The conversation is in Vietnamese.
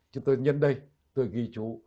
chứ tôi nhân đây tôi ghi chú